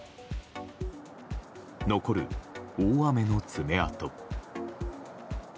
残る大雨の爪痕。